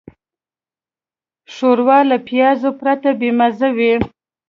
ښوروا له پیازو پرته بېمزه وي.